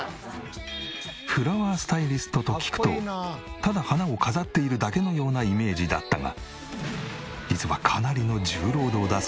フラワースタイリストと聞くとただ花を飾っているだけのようなイメージだったが。